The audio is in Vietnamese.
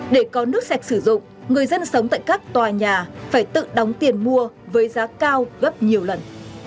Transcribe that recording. để có nước sạch sử dụng người dân sống tại các tòa nhà phải tự đóng tiền mua với giá cao gấp nhiều lần